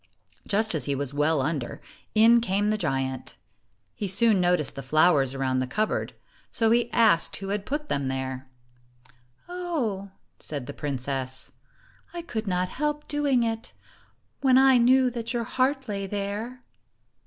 Just as he was well under, in came the giant. He soon noticed the flowers around the cup board, so he asked who had put them there. "Oh," said the princess, "I could not help doing it, when I knew that your heart lay there."